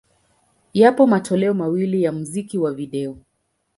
Yapo matoleo mawili ya muziki wa video.